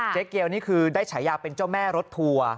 เจ๊เกียวนี่คือได้ฉายาเป็นเจ้าแม่รถทัวร์